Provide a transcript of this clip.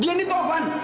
dia tuh bohong